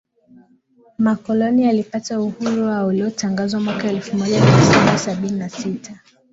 makoloni yalipata uhuru wao uliotangazwa mwaka elfumoja miasaba sabini na sita